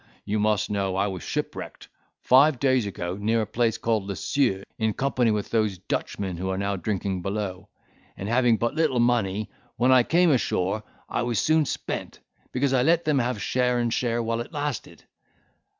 You must know I was shipwrecked, five days ago, near a place called Lisieux, in company with those Dutchmen who are now drinking below; and having but little money when I came ashore, it was soon spent, because I let them have share and share while it lasted.